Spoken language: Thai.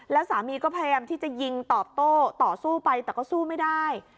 แล้วสามีก็พยายามที่จะยิงตอบโต้ต่อสู้ไปแต่ก็สู้ไม่ได้